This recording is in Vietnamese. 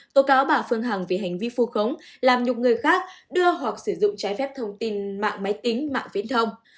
tố cáo bà phương hằng vì hành vi phu khống làm nhục người khác đưa hoặc sử dụng trái phép thông tin mạng máy tính mạng viễn thông